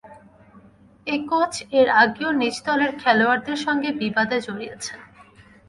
এই কোচ এর আগেও নিজ দলের খেলোয়াড়দের সঙ্গে বিবাদে জড়িয়েছেন।